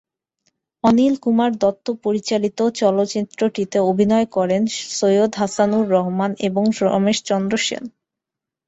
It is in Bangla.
অনিল কুমার দত্ত পরিচালিত চলচ্চিত্রটিতে অভিনয় করেন সৈয়দ হাসানুর রহমান এবং রমেশ চন্দ্র সেন।